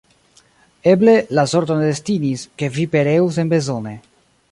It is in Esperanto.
Eble, la sorto ne destinis, ke vi pereu senbezone.